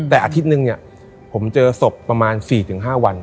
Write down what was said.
แต่อาทิตย์นึงเนี่ยผมเจอศพประมาณ๔๕วัน